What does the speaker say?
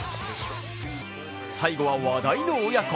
最後は話題の親子。